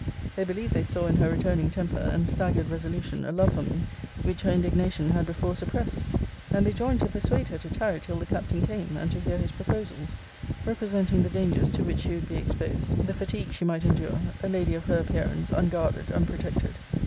They believed they saw in her returning temper, and staggered resolution, a love for me, which her indignation had before suppressed; and they joined to persuade her to tarry till the Captain came, and to hear his proposals; representing the dangers to which she would be exposed; the fatigues she might endure; a lady of her appearance, unguarded, unprotected.